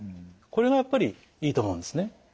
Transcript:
これがやっぱりいいと思うんですね。